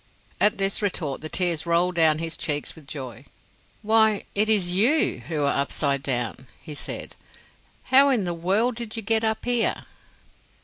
At this retort the tears rolled down his cheeks with joy. "Why, it is you who are up side down," he said; "how in the world did you get up here?"